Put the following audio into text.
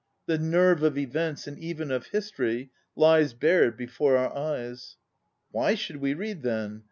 The nerve of events and even of history lies bared before our eyes. Why should we read, then?